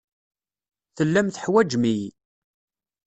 Tellam teḥwajem-iyi.